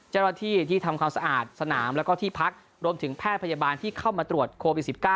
เจ้าหน้าที่ที่ทำความสะอาดสนามแล้วก็ที่พักรวมถึงแพทย์พยาบาลที่เข้ามาตรวจโควิด๑๙